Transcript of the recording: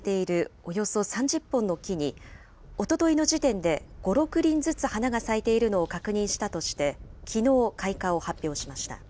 およそ３０本の木に、おとといの時点で５、６輪ずつ花が咲いているのを確認したときのう、開花を発表しました。